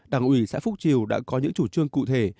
đảng ủy xã phúc triều đã có những chủ trương cụ thể